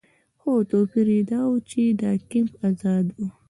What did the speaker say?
خو توپیر یې دا و چې دا کمپ آزاد و.